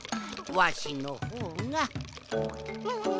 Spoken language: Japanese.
わしのほうがん